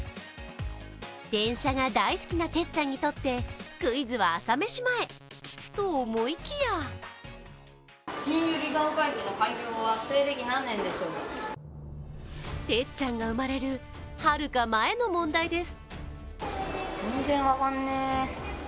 電車が大好きなてっちゃんにとって、クイズは朝飯前。と思いきやてっちゃんが生まれるはるか前の問題です。